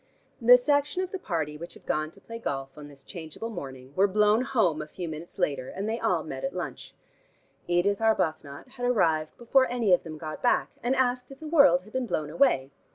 The section of the party which had gone to play golf on this changeable morning, were blown home a few minutes later, and they all met at lunch. Edith Arbuthnot had arrived before any of them got back, and asked if the world had been blown away.